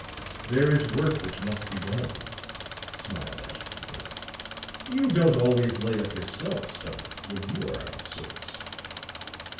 "There is work which must be done," smiled Ashton Kirk. "You don't always lay up yourself, Stumph, when you are out of sorts."